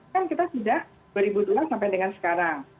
kan kita sudah beribu doang sampai dengan sekarang